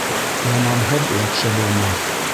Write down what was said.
Яманһыҙ яҡшы булмаҫ.